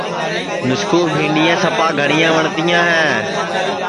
مِسکُو بھینٚڈؔیاں سپا گھٹؔیاں وٹؔتیاں ہے